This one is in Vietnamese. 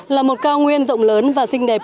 là một cao nguyên rộng lớn và xinh đẹp